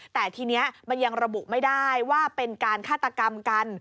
แต่ทีนี้มันยังระบุไม่ได้ว่าเป็นการฆาตกรรมกัน